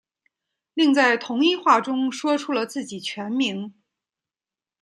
另在同一话中说出了自己全名。